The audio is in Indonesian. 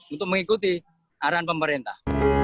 untuk mengikuti arahan pemerintah